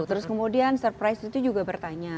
terus kemudian surprise itu juga bertanya